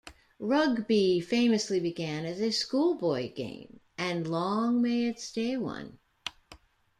Rugby famously began as a schoolboy game, and long may it stay one.